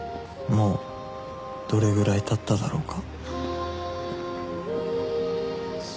もうどれぐらい経っただろうか